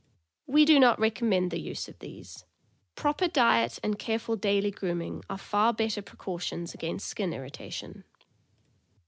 We do not recommend the use of these. Proper diet and careful daily grooming are far better pre cautions against skin irritation.